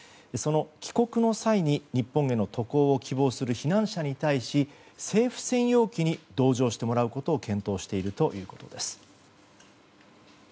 その帰国の際に日本への渡航を希望する避難者に対し、政府専用機に搭乗してもらうことを検討しているということです。